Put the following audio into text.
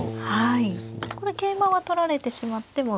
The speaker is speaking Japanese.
これ桂馬は取られてしまっても。